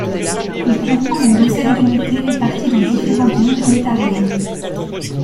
Il comprend une douzaine d'unités réparties dans différentes villes ontariennes.